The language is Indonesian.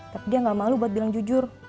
tapi dia gak malu buat bilang jujur